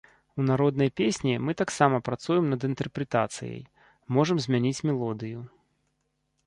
У народнай песні мы таксама працуем над інтэрпрэтацыяй, можам змяніць мелодыю.